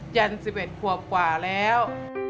จันทร์๑๑ขวบกว่าแล้ว